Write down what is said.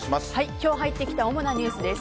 今日入ってきた主なニュースです。